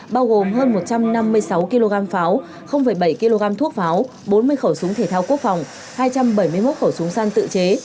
bao gồm hơn một trăm năm mươi sáu kg pháo bảy kg thuốc pháo bốn mươi khẩu súng thể thao quốc phòng hai trăm bảy mươi một khẩu súng săn tự chế